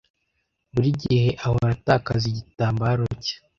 Buri gihe ahora atakaza igitambaro cye.